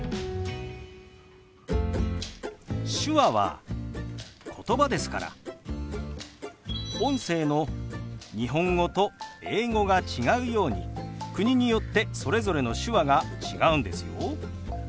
手話はことばですから音声の日本語と英語が違うように国によってそれぞれの手話が違うんですよ。